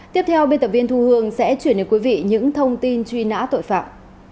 tiếp theo biên tập viên thu hương sẽ chuyển đến quý vị những thông tin truy nã tội phạm